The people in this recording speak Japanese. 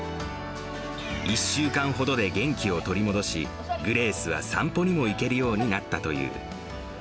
１週間ほどで元気を取り戻し、グレースは散歩にも行けるようになったという。